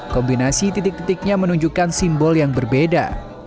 kombinasi titik titiknya menunjukkan simbol yang berbeda